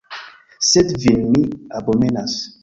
Sed vin mi abomenas.